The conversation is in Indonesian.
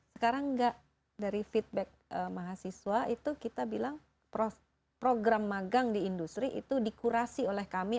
sekarang enggak dari feedback mahasiswa itu kita bilang program magang di industri itu dikurasi oleh kami